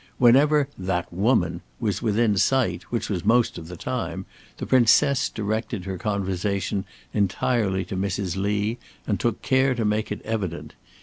Whenever "that woman" was within sight, which was most of the time, the Princess directed her conversation entirely to Mrs. Lee and took care to make it evident.